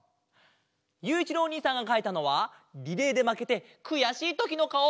ゆういちろうおにいさんがかいたのはリレーでまけてくやしいときのかお。